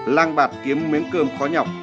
lang bạc kiếm miếng cơm khó nhọc